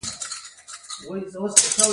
یورانیم د افغانستان د ولایاتو په کچه توپیر لري.